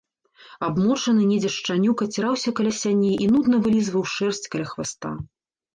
Абмочаны недзе шчанюк аціраўся каля сяней і нудна вылізваў шэрсць каля хваста.